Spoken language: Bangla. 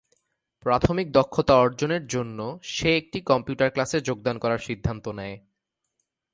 প্রাথমিক দক্ষতা অর্জনের জন্য সে একটি কম্পিউটার ক্লাসে যোগদান করার সিদ্ধান্ত নেয়।